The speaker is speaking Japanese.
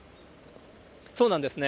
そうなんですね。